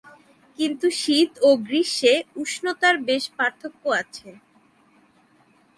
কিন্তু শীত ও গ্রীষ্মে উষ্ণতার বেশ পার্থক্য আছে।